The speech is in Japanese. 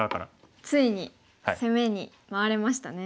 ついに攻めに回れましたね。